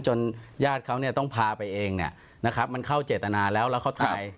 จนญาติเขาต้องพาไปเองนะครับมันเข้าเจตนาแล้วแล้วเขาตาย